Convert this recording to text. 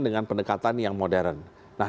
dengan pendekatan yang modern nah